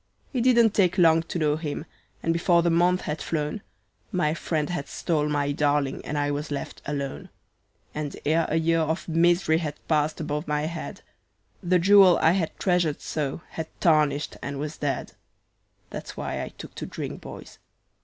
"It didn't take long to know him, and before the month had flown My friend had stole my darling, and I was left alone; And ere a year of misery had passed above my head, The jewel I had treasured so had tarnished and was dead. "That's why I took to drink, boys.